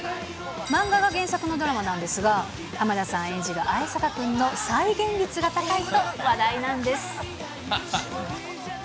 漫画が原作のドラマなんですが、浜田さん演じる逢坂くんの再現率が高いと話題なんです。